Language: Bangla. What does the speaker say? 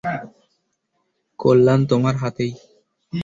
কল্যাণ তোমার হাতেই।